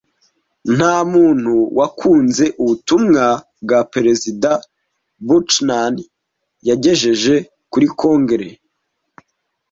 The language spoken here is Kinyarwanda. Nta muntu wakunze ubutumwa bwa Perezida Buchanan yagejeje kuri Kongere.